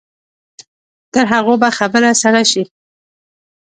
تر هغو به خبره سړه شي.